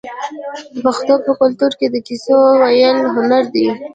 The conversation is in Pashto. د پښتنو په کلتور کې د کیسو ویل هنر دی.